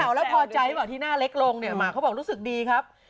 แล้วพอใจหรือเปล่าที่หน้าเล็กลงเนี่ยหมาเขาบอกรู้สึกดีครับ